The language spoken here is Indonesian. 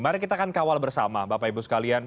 mari kita akan kawal bersama bapak ibu sekalian